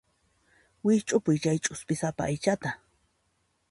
Wikch'upuy chay ch'uspisapa aychata.